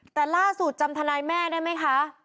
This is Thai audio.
แต่ล่าสุดจำทนายแม่ได้ไหมคะ